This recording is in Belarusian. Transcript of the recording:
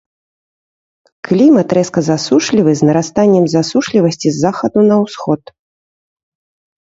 Клімат рэзка засушлівы з нарастаннем засушлівасці з захаду на ўсход.